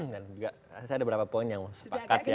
dan juga saya ada beberapa poin yang mau sepakat ya